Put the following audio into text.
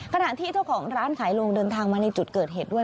ขณะที่เจ้าของร้านขายลงเดินทางมาในจุดเกิดเหตุด้วย